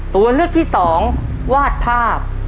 ตัวเลือกที่สองวาดภาพ